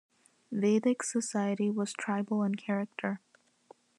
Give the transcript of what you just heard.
Vedic society was tribal in character.